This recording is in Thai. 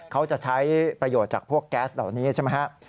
เขาจะใช้ประโยชน์จากพวกแก๊สเหล่านี้ใช่ไหมครับ